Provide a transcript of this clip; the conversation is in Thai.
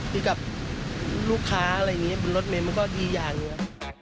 คือกับลูกค้าอะไรอย่างนี้บนรถเมย์มันก็ดีอย่างหนึ่ง